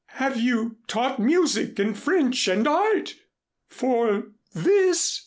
Have you taught music and French and art? For this?